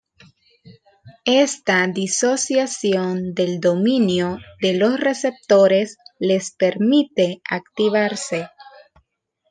Esta disociación del dominio de los receptores les permite activarse.